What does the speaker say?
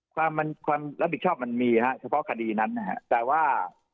ความมันความรับผิดชอบมันมีฮะเฉพาะคดีนั้นนะฮะแต่ว่า